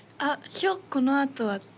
「ひょこのあとは」